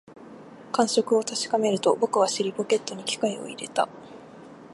感触を確かめると、僕は尻ポケットに機械を入れた